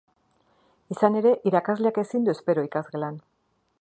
Izan ere, irakasleak ezin du espero ikasgelan.